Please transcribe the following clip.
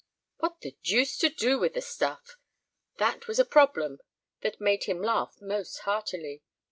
"What the deuce to do with the stuff?" That was a problem that made him laugh most heartily.